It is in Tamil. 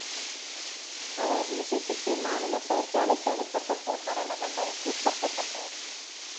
அவர் மிசிசிப்பி மாநில சிறைச்சாலைக்கு அனுப்பப்பட்டு மரண தண்டனைக்கு உட்படுத்தப்படுகிறார்.